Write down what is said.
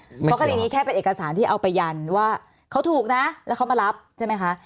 เพราะคดีนี้แค่เป็นเอกสารที่เอาไปยันว่าเขาถูกนะแล้วเขามารับใช่ไหมคะ